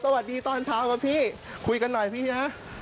สวัสดีตอนเช้าครับพี่คุยกันหน่อยพี่นะ